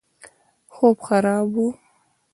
خوب خراب وو.